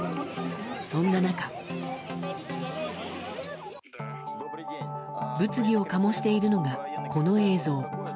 そんな中、物議を醸しているのがこの映像。